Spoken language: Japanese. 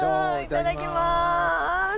いただきます。